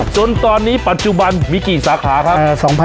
จนตอนนี้ปัจจุบันมีกี่สาขาครับ